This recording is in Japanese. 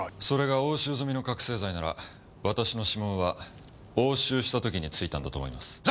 それが押収済みの覚せい剤なら私の指紋は押収した時に付いたんだと思います。